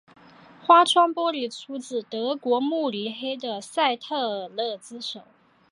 花窗玻璃出自德国慕尼黑的赛特勒之手。